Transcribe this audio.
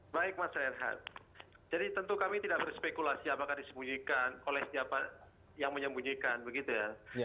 baik mas renhat jadi tentu kami tidak berspekulasi apakah disembunyikan oleh siapa yang menyembunyikan begitu ya